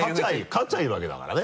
勝ちゃいいわけだからね。